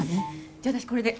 じゃあ私これで。